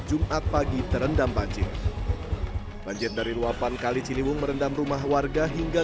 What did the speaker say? jumat pagi terendam banjir dari luapan kali ciliwung merendam rumah warga hingga